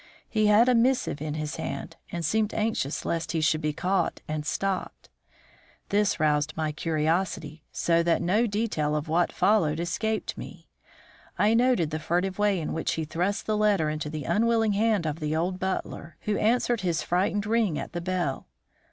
He had a missive in his hand, and seemed anxious lest he should be caught and stopped. This roused my curiosity, so that no detail of what followed escaped me. I noted the furtive way in which he thrust the letter into the unwilling hand of the old butler, who answered his frightened ring at the bell.